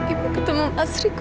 ibu ketemu mas riko